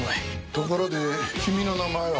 ところで君の名前は？